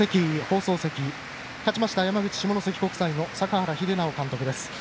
放送席、勝ちました山口の下関国際の坂原秀尚監督です。